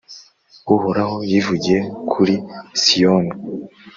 Uhoraho yivugiye kuri Siyoni,